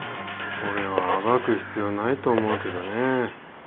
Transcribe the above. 俺は暴く必要ないと思うけどね。